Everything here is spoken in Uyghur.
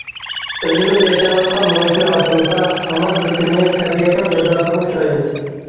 ئۆزىمىز ياشاۋاتقان مۇھىتنى ئاسرىمىساق، ھامان بىر كۈنى تەبىئەتنىڭ جازاسىغا ئۇچرايمىز.